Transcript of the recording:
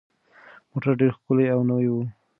موټر ډېر ښکلی او نوی و.